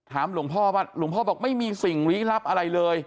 หลวงพ่อว่าหลวงพ่อบอกไม่มีสิ่งลี้ลับอะไรเลย